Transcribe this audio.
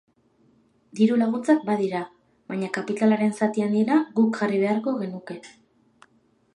Diru-laguntzak badira, baina kapitalaren zati handiena guk jarri beharko genuke.